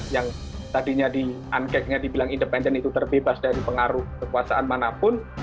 yang tadinya di unkeknya dibilang independen itu terbebas dari pengaruh kekuasaan manapun